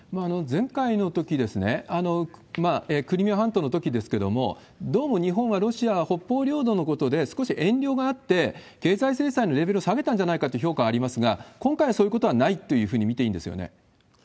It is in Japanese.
前回のとき、クリミア半島のときですけれども、どうも日本は、ロシアは北方領土のことで少し遠慮があって、経済制裁のレベルを下げたんじゃないかという評価がありますが、今回はそういうことはないというふうに見ていいんですよね？